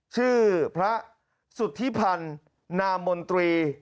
ชื่อพระสุธิพันธ์นามนตรี